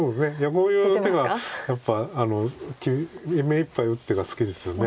こういう手がやっぱり目いっぱい打つ手が好きですよね